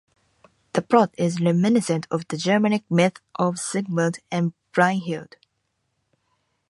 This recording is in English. The plot is reminiscent of the Germanic myth of Sigmund and Brynhilde.